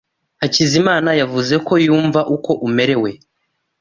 Hakizimana yavuze ko yumva uko umerewe.